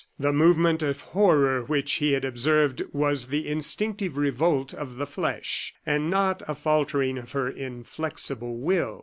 The movement of horror which he had observed was the instinctive revolt of the flesh, and not a faltering of her inflexible will.